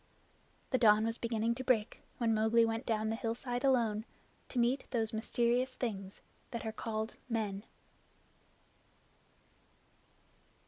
The dawn was beginning to break when Mowgli went down the hillside alone, to meet those mysterious things that are called men.